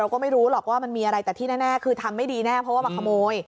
ก็ไม่รู้หรอกว่ามันมีอะไรแต่ที่แน่คือทำไม่ดีแน่เพราะว่ามาขโมย